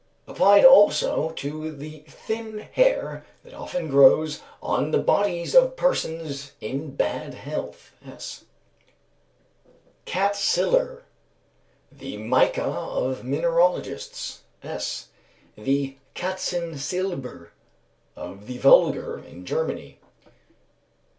Applied also to the thin hair that often grows on the bodies of persons in bad health (S.). Cat siller.. The mica of mineralogists (S.); the katzen silber of the vulgar in Germany.